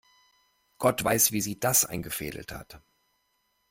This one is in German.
Gott weiß, wie sie das eingefädelt hat.